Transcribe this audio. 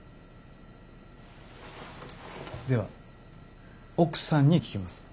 では奥さんに聞きます。